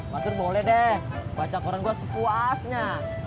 mas nur boleh deh baca koran gue sepuasnya